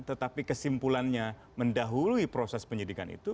tetapi kesimpulannya mendahului proses penyidikan itu